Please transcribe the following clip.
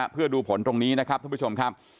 เพื่อดูผลตรงนี้นะครับท่านผู้ชมครับ